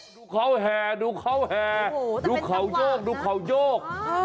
ดูเขาแห่ดูเขาแห่ดูเขาโยกดูเขาโยก